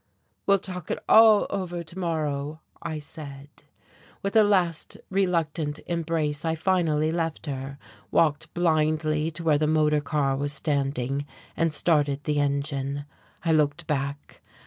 "We'll talk it all over to morrow," I said. With a last, reluctant embrace I finally left her, walked blindly to where the motor car was standing, and started the engine. I looked back.